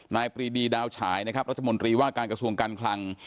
ปรีดีดาวฉายนะครับรัฐมนตรีว่าการกระทรวงการคลัง